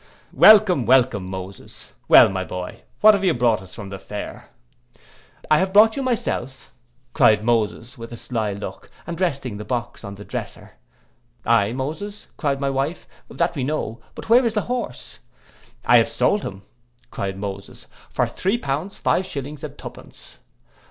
—'Welcome, welcome, Moses; well, my boy, what have you brought us from the fair?'—'I have brought you myself,' cried Moses, with a sly look, and resting the box on the dresser.—'Ay, Moses,' cried my wife, 'that we know, but where is the horse?' 'I have sold him,' cried Moses, 'for three pounds five shillings and two pence.